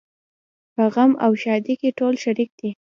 په غم او ښادۍ کې ټول شریک دي.